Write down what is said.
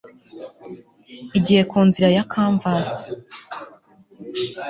igihe ku nzira ya canvas